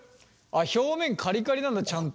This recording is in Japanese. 表面カリカリなんだちゃんと。